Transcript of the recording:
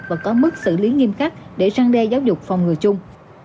và có mức xử lý nghiêm khắc để răng đe giáo dục phòng ngừa chung